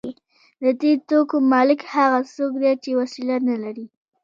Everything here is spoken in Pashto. د دې توکو مالک هغه څوک دی چې وسیله نلري